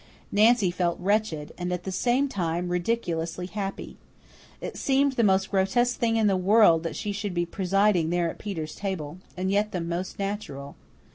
Nancy felt wretched and, at the same time, ridiculously happy. It seemed the most grotesque thing in the world that she should be presiding there at Peter's table, and yet the most natural.